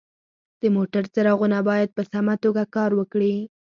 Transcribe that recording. د موټر څراغونه باید په سمه توګه کار وکړي.